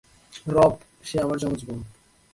রব, সে আমার যমজ বোন।